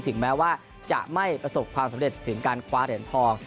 ถึงแม้ว่าจะไม่ประสบความสำเร็จถึงการคว้าเหรียญทอง